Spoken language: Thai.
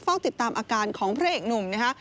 เฝ้าติดตามอาการของพระเอกหนุ่มนะฮะ